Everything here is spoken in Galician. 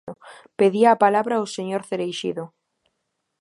Pedía a palabra o señor Cereixido.